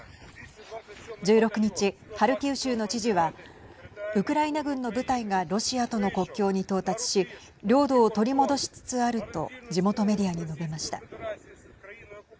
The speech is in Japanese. １６日、ハルキウ州の知事はウクライナ軍の部隊がロシアとの国境に到達し領土を取り戻しつつあると地元メディアに述べました。